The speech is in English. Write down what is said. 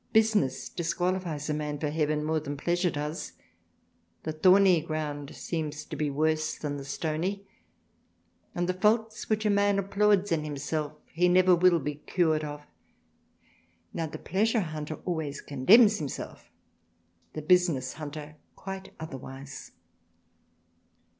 Business disqualifies a man for Heaven more than Pleasure does ; The Thorney ground seems to be worse than the Stoney, — and the Faults which a Man applauds in himself he never will be cured of; now the Pleasure hunter always condemns himself^ the Business hunter quite otherwise.